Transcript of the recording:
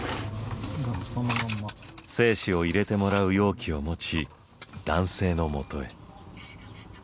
精子を入れてもらう容器を持ち男性のもとへ。